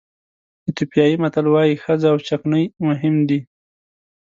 ایتیوپیایي متل وایي ښځه او چکنۍ مهم دي.